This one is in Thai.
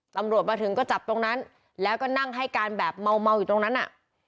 ตำรวจมาถึงก็จับตรงนั้นแล้วก็นั่งให้การแบบเมาอยู่ตรงนั้นน่ะ